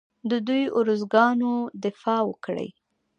د دوی ارزوګانو دفاع وکړي